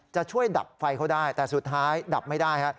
จะช่วยดับไฟเขาได้แต่สุดท้ายดับไม่ได้ฮะ